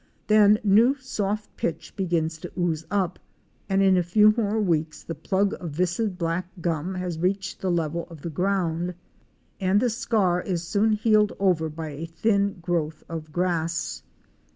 Then new soft pitch begins to ooze up and in a few more weeks the plug of viscid black gum has reached the level of the ground and the scar is soon healed over by a thin growth of grass.